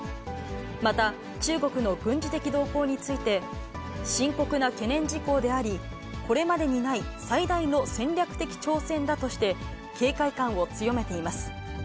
また、中国の軍事的動向について、深刻な懸念事項であり、これまでにない最大の戦略的挑戦だとして、警戒感を強めています。